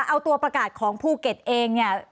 เอาตัวประกาศของภูเก็ตเองเนี่ย